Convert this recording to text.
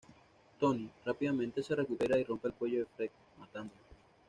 Tony rápidamente se recupera y rompe el cuello de Fred, matándolo.